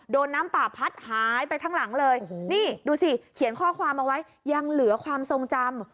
น้ำป่าพัดหายไปทั้งหลังเลยโอ้โหนี่ดูสิเขียนข้อความเอาไว้ยังเหลือความทรงจำ